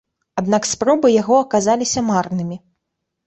Аднак спробы яго аказаліся марнымі.